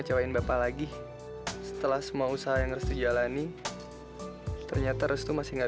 sampai jumpa di video selanjutnya